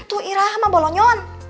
tuh irah mah bolonyon